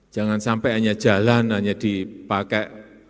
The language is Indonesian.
jangan sampai hanya jalan hanya dipakai